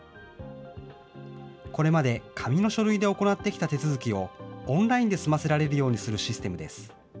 これまで紙の書類で行ってきた手続きを、オンラインで済ませられるようにするシステムです。